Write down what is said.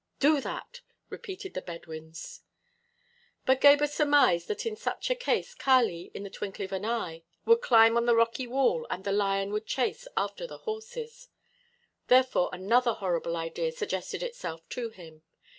"Do that," repeated the Bedouins. But Gebhr surmised that in such a case Kali, in the twinkling of an eye, would climb on the rocky wall and the lion would chase after the horses; therefore another horrible idea suggested itself to him.